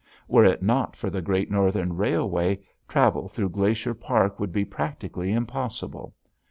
Were it not for the Great Northern Railway, travel through Glacier Park would be practically impossible.